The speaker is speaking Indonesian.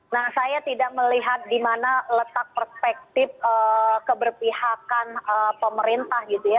nah saya tidak melihat di mana letak perspektif keberpihakan pemerintah gitu ya